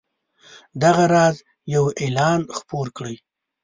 دغه راز یو اعلان خپور کړئ.